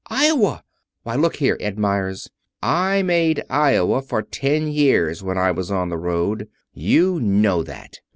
Iowa! Why, look here, Ed Meyers, I made Iowa for ten years when I was on the road. You know that.